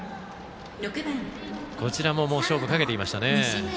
こちらも勝負かけていましたね。